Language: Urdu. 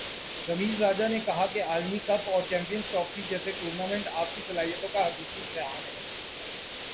رمیز راجہ نے کہا کہ عالمی کپ اور چیمپئنز ٹرافی جیسے ٹورنامنٹ آپ کی صلاحیتوں کا حقیقی امتحان ہیں